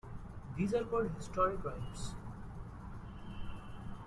These are called historic rhymes.